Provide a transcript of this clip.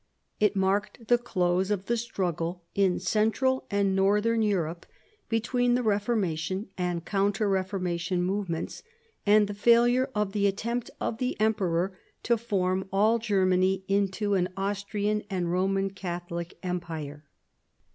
It marked the close of the struggle in Central and Northern Europe between the Reformation and Counter Reformation movements, and the failure of the attempt of the Emperor to form all Germany into an Austrian and Roman Catholic empire.